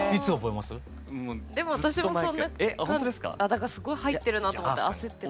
だからすごい入ってるなと思って。